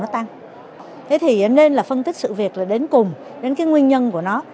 thế thì nên là phân tích sự việc là đến cùng đến cái nguyên nhân của nó